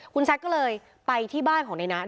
คุณแซคก็เลยไปที่บ้านของในนั้น